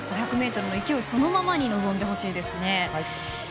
５００ｍの勢いそのままに臨んでほしいですね。